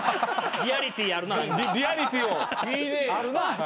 リアリティーあるな。